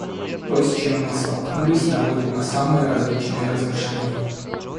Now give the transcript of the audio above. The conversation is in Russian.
То, с чем мы столкнулись, наводит на самые различные размышления.